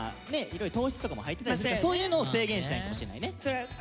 いろいろ糖質とかも入ってたりするからそういうのを制限したいのかもしれないね。